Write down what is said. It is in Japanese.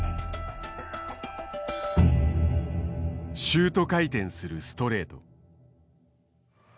シュート回転するストレート。